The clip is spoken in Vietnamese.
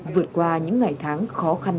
vượt qua những ngày tháng khó khăn này